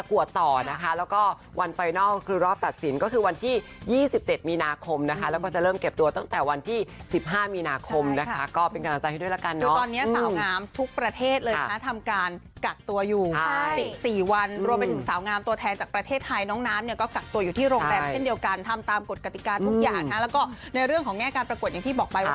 การทำตามกฎกติการทุกอย่างนะแล้วก็ในเรื่องของแง่การปรากฎอย่างที่บอกไปว่า